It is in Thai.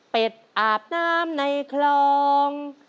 เป็ดอาบน้ำในคลอง